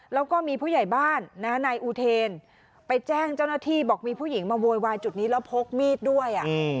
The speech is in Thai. แล้วก็มีผู้ใหญ่บ้านนายอูเทนไปแจ้งเจ้าหน้าที่บอกมีผู้หญิงมาโวยวายจุดนี้แล้วพกมีดด้วย